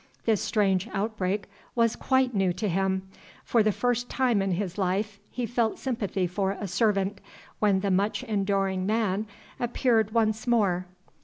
This strange outbreak was quite new to him. For the first time in his life he felt sympathy for a servant, when the much enduring man appeared once more.